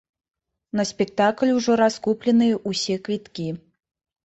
На спектакль ужо раскупленыя ўсе квіткі.